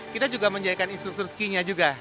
kita juga menjadikan instruktur ski nya juga